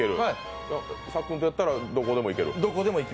さっくんとやったらどこでも行ける？